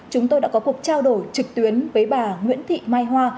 chúng tôi đã có cuộc trao đổi trực tuyến với bà nguyễn thị mai hoa